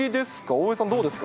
大江さん、どうですか？